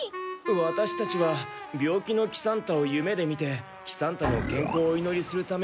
ワタシたちは病気の喜三太を夢で見て喜三太の健康をお祈りするためにここに。